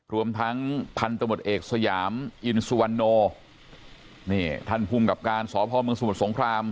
รวมทั้งพันธมตเอกสยามอินสุวรรณโนนี่ท่านภูมิกับการสพเมืองสมุทรสงคราม